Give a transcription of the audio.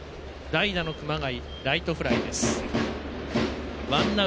代打の熊谷、ライトフライです。